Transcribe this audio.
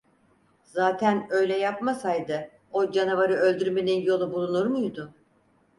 Zaten öyle yapmasaydı, o canavarı öldürmenin yolu bulunur muydu?